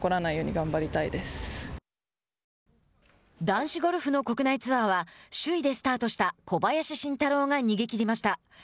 男子ゴルフの国内ツアーは首位でスタートした小林伸太郎が逃げきりました。